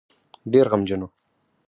ډېر غمجن وو.